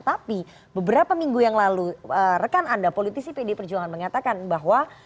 tapi beberapa minggu yang lalu rekan anda politisi pd perjuangan mengatakan bahwa